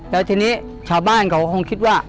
แล้วทีนี้ชาวบ้านเขาคงคิดว่า